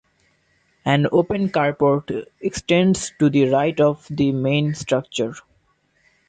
An open carport extends to the right of the main structure.